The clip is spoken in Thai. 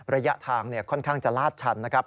ระยะทางค่อนข้างจะลาดชันนะครับ